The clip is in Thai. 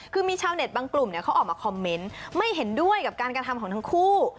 คือมีชาวเน็ตบางกลุ่มเขาออกมาคอมเมนต์ไม่เห็นด้วยกับการกระทำของทั้งคู่